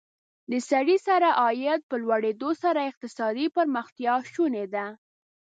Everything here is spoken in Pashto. د سړي سر عاید په لوړېدو سره اقتصادي پرمختیا شونې ده.